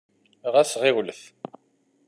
Ɣas ɣiwlet.